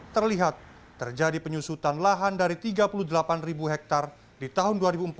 terlihat terjadi penyusutan lahan dari tiga puluh delapan ribu hektare di tahun dua ribu empat belas